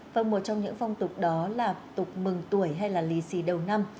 và một trong những phong tục đó là tục mừng tuổi hay lì xì đầu năm